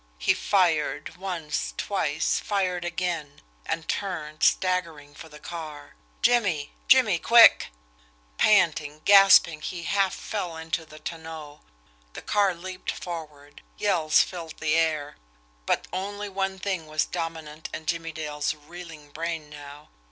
He fired once twice fired again and turned, staggering for the car. "Jimmie! Jimmie QUICK!" Panting, gasping, he half fell into the tonneau. The car leaped forward, yells filled the air but only one thing was dominant in Jimmie Dale's reeling brain now.